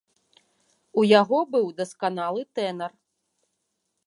У яго быў дасканалы тэнар.